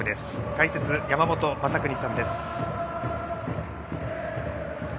解説、山本昌邦さんです。